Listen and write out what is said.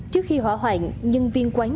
trước khi hỏa hoạn nhân viên quán